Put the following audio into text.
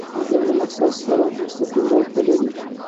د ژوند له مقصد سره مسقيم ربط ولري.